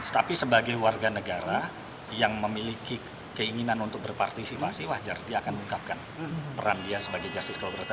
tapi sebagai warga negara yang memiliki keinginan untuk berpartisipasi wajar dia akan mengungkapkan peran dia sebagai justice collaborator